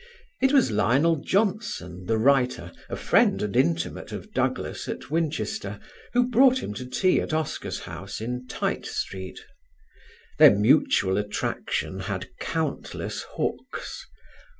It was Lionel Johnson, the writer, a friend and intimate of Douglas at Winchester, who brought him to tea at Oscar's house in Tite Street. Their mutual attraction had countless hooks.